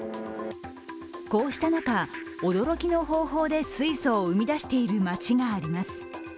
こうした中、驚きの方法で水素を生み出している町があります。